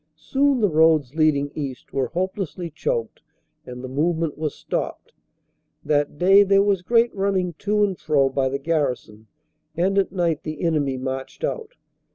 Soon the roads leading east were hopelessly choked and the movement was stopped. That day there was great running to and fro by the garrison, and at night the enemy marched out.